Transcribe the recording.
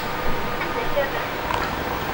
Anda akka i rrant?